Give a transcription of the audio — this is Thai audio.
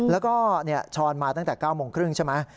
แล้วก็ช้อนมาตั้งแต่๙โมงครึ่งใช่ไหม